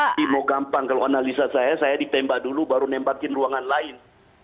tapi mau gampang kalau analisa saya saya ditembak dulu baru nembakin ruangan lain